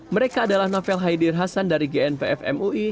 mereka adalah nafel haidir hasan dari gnvf mui